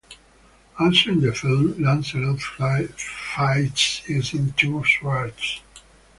Also in the film, Lancelot fights using two swords.